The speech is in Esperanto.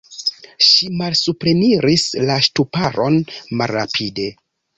Ŝi malsupreniris la ŝtuparon malrapide.